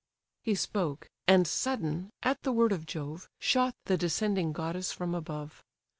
He spoke; and sudden, at the word of Jove, Shot the descending goddess from above.